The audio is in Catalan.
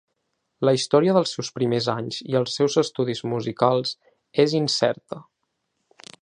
La història dels seus primers anys i els seus estudis musicals és incerta.